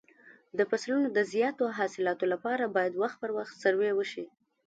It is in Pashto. د فصلو د زیاتو حاصلاتو لپاره باید وخت پر وخت سروې وشي.